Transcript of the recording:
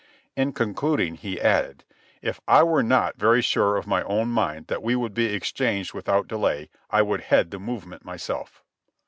In concluding he added: "If I were not very sure in my own mind that we would be exchanged without delay, I would head the movement myself."